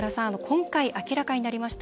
今回、明らかになりました